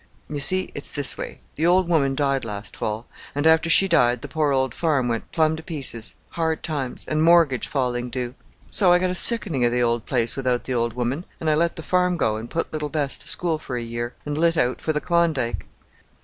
You see it's this way the old woman died last fall, and after she died the poor old farm went plumb to pieces, hard times, and mortgage falling due; so I got a sickening of the old place without the old woman, and I let the farm go and put little Bess to school for a year, and lit out for the Klondike.